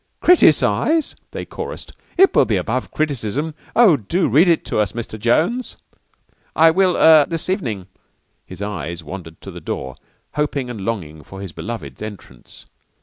"Criticise!" they chorused. "It will be above criticism. Oh, do read it to us, Mr. Jones." "I will er this evening." His eyes wandered to the door, hoping and longing for his beloved's entrance.